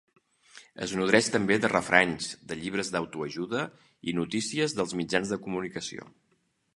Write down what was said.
Es nodreix també de refranys, de llibres d'autoajuda i notícies dels mitjans de comunicació.